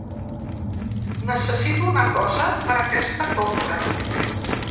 Necessito una cosa per aquesta compra.